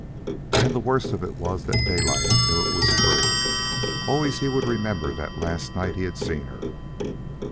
And the worst of it was that Daylight knew it was true. Always would he remember that last night he had seen her.